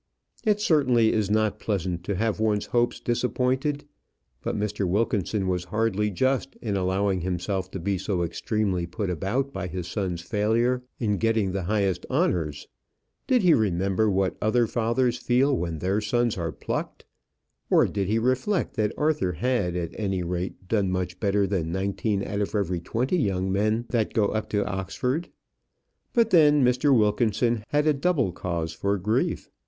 It certainly is not pleasant to have one's hopes disappointed; but Mr. Wilkinson was hardly just in allowing himself to be so extremely put about by his son's failure in getting the highest honours. Did he remember what other fathers feel when their sons are plucked? or, did he reflect that Arthur had, at any rate, done much better than nineteen out of every twenty young men that go up to Oxford? But then Mr. Wilkinson had a double cause for grief.